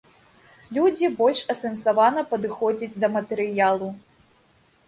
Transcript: Людзі больш асэнсавана падыходзяць да матэрыялу.